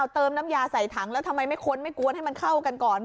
เติมน้ำยาใส่ถังแล้วทำไมไม่ค้นไม่กวนให้มันเข้ากันก่อน